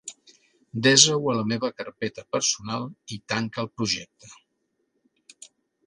Desa-ho a la meva carpeta personal i tanca el projecte.